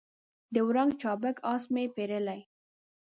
د وړانګو چابک آس مې پیرلی